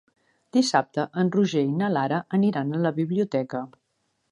Dissabte en Roger i na Lara aniran a la biblioteca.